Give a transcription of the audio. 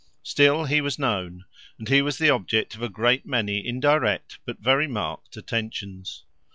Still he was known, and he was the object of a great many indirect but very marked attentions.